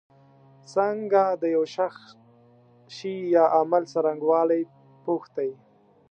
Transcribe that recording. څنګه د یو شخص شي یا عمل څرنګوالی پوښتی.